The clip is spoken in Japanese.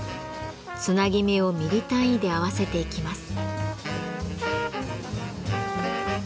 つなぎ目をミリ単位で合わせていきます。